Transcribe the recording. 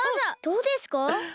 どうですか？